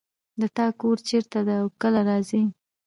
د تا کور چېرته ده او کله راځې